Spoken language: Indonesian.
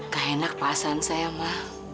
tak enak perasaan saya ma